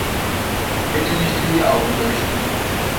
Bitte nicht in die Augen leuchten.